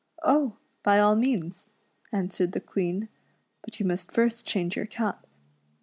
"Oh ! by all means," answered the Queen; "but you must first change your cap.